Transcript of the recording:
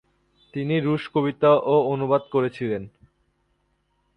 তিনি রুশ কবিতাও অনুবাদ করেছিলেন।